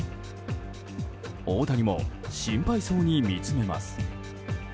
大谷も、心配そうに見つめます。